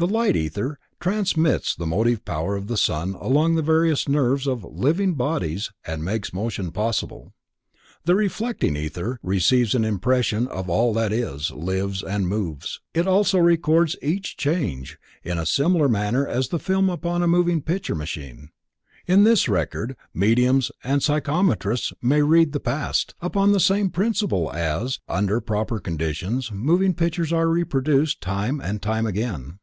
The Light Ether transmits the motive power of the sun along the various nerves of living bodies and makes motion possible. The Reflecting Ether receives an impression of all that is, lives and moves. It also records each change, in a similar manner as the film upon a moving picture machine. In this record mediums and psychometrists may read the past, upon the same principle as, under proper conditions, moving pictures are reproduced time and again.